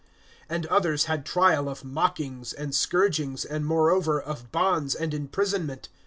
(36)And others had trial of mockings, and scourgings, and, moreover, of bonds and imprisonment.